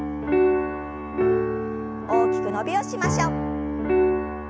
大きく伸びをしましょう。